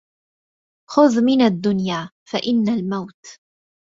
خذ من الدنيا فإن الموت